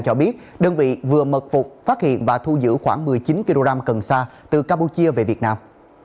cho biết đơn vị vừa mật phục phát hiện và thu giữ khoảng một mươi chín kg cần sa từ campuchia về việt nam